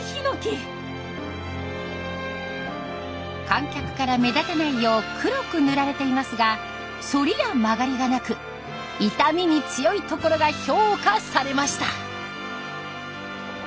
観客から目立たないよう黒く塗られていますが反りや曲がりがなく傷みに強いところが評価されました。